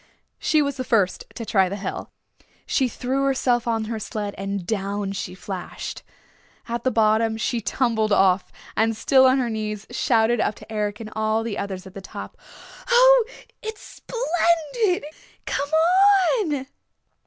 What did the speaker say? She was the first to try the hill. She threw herself on her sled and down she flashed. At the bottom she tumbled off, and still on her knees shouted up to Eric and the others at the top, "Oh, it's splendid! Come on!"